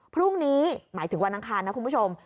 พรุ่งนี้หมายถึงวันอังคารนะคุณผู้ชม